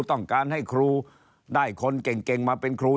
ต้องการให้ครูได้คนเก่งมาเป็นครู